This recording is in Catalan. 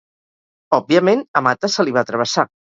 Òbviament, a Mata se li va travessar.